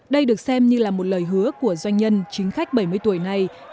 đây được xem như là một lời hứa của doanh nhân chính khách bảy mươi tuổi này